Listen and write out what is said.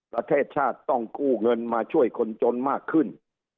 ประเทศชาติต้องกู้เงินมาช่วยคนจนมากขึ้น